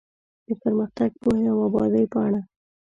د پرمختګ ، پوهې او ابادۍ پاڼه